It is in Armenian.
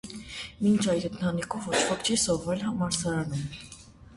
Մինչ այդ ընտանիքում ոչ ոք չի սովորել համալսարանում։